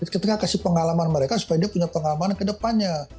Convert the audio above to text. kita kasih pengalaman mereka supaya dia punya pengalaman ke depannya